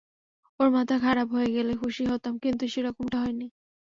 ওর মাথা খারাপ হয়ে গেলে খুশিই হতাম, কিন্তু সেরকমটা হয়নি!